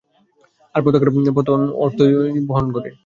আর পতাকার পতন অর্থই পরাজয় বরণ করা।